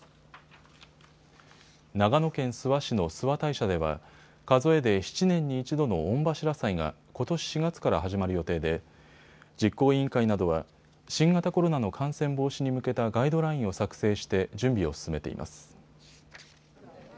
長野県諏訪市の諏訪大社では数えで７年に１度の御柱祭がことし４月から始まる予定で実行委員会などは新型コロナの感染防止に向けたガイドラインを作成して準備を進めています。